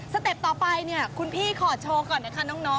เต็ปต่อไปเนี่ยคุณพี่ขอโชว์ก่อนนะคะน้อง